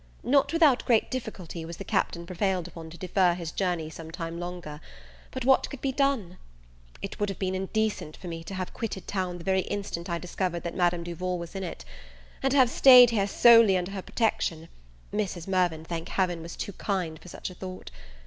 Not without great difficulty was the Captain prevailed upon to defer his journey some time longer; but what could be done? It would have been indecent for me to have quitted town the very instant I discovered that Madame Duval was in it; and to have staid here solely under her protection Mrs. Mirvan, thank Heaven, was too kind for such a thought.